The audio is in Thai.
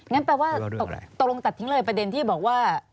แปลว่าตกลงตัดทิ้งเลยประเด็นที่บอกว่า